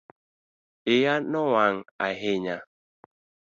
Iya no wang' ahinya